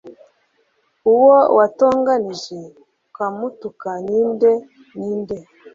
uwo watonganije ukamutuka ni nde ni nde